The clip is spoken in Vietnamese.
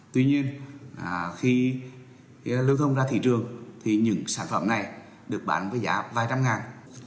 tuy nhiên khi lưu thông ra thị trường thì những sản phẩm này được bán với giá vài trăm ngàn